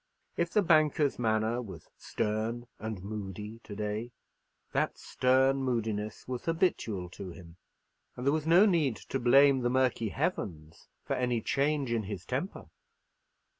If the banker's manner was stern and moody to day, that stern moodiness was habitual to him: and there was no need to blame the murky heavens for any change in his temper.